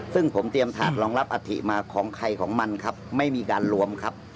ซึ่งผมเตรียมถาดรองรับอัฐิมาของใครของมันครับไม่มีการรวมครับ